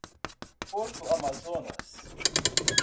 Porto Amazonas